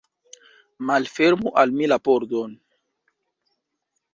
Malfermu al mi la pordon!